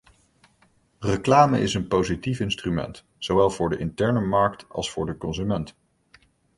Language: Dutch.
Reclame is een positief instrument, zowel voor de interne markt als voor de consument.